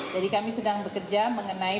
jadi kami sedang bekerja mengenai